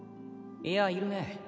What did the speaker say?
いやいるね。